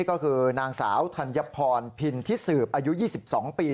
ก็คือนางสาวธัญพรพินทิสืบอายุ๒๒ปี